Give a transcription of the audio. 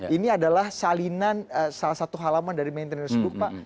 ini adalah salinan salah satu halaman dari maintenance book pak